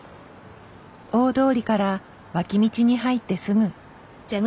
大通りから脇道に入ってすぐ。